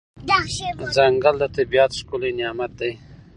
ځنګل د طبیعت ښکلی نعمت دی.